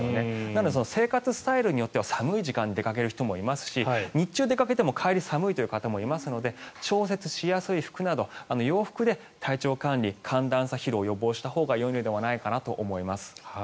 なので、生活スタイルによっては寒い時間に出かける人もいますし日中、出かけても帰り寒いという方もいますので調節しやすい服など洋服で体調管理、寒暖差疲労を予防したほうがよいのではないかと思います。